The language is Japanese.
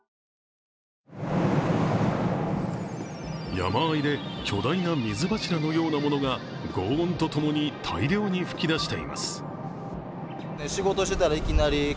山あいで巨大な水柱のようなものがごう音とともに大量に噴き出しています。